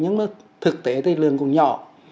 nhưng mà thực tế thì lường cũng nhỏ